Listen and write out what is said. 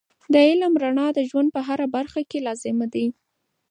د علم رڼا د ژوند په هره برخه کې لازم دی.